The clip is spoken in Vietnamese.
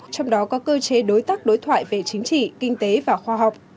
trong đó có cơ chế đối tác đối thoại về chính trị kinh tế và khoa học